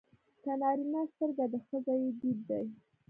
که نارینه سترګه ده ښځه يې دید دی.